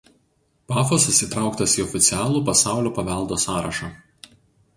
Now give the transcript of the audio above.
Pafosas įtrauktas į oficialų Pasaulio paveldo sąrašą.